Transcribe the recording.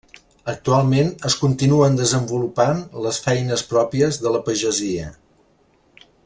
Actualment es continuen desenvolupant les feines pròpies de la pagesia.